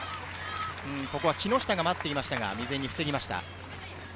木下が待っていましたが、未然に防ぎました。